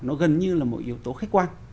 nó gần như là một yếu tố khách quan